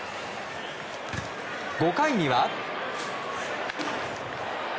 ５回には。